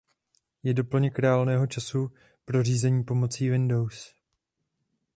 Je doplněk reálného času pro řízení pomocí Windows.